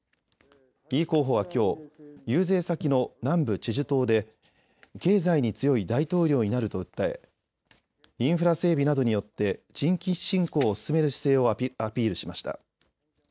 イ候補はきょう、遊説先の南部チェジュ島で経済に強い大統領になると訴えインフラ整備などによって地域振興を進める姿勢をアピールしました。